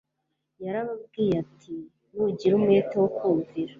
Yarababwiye ati Nugira umwete wo kumvira